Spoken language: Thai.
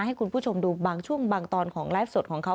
ให้คุณผู้ชมดูบางช่วงบางตอนของไลฟ์สดของเขา